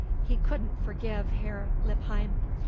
He couldn't forgive Herr Lippheim.